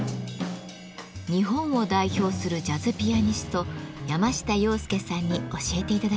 日本を代表するジャズピアニスト山下洋輔さんに教えて頂きました。